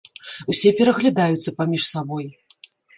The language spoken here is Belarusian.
Усе пераглядаюцца паміж сабой.